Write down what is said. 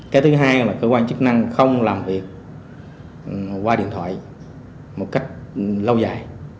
cái thứ hai là cơ quan chức năng không làm việc qua điện thoại một cách lâu dài